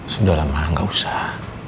sudah lama gak usah